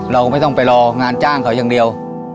เราก็ไม่ต้องไปรองานจ้างเขาอย่างเดียว